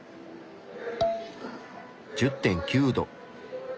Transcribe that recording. １０．９℃。